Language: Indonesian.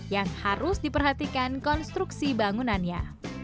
yang harus diperhatikan konstruksi bangunannya